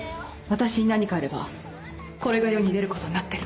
私に何かあればこれが世に出ることになってる。